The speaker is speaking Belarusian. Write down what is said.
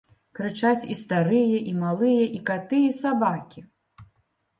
Крычаць і старыя, і малыя, і каты, і сабакі!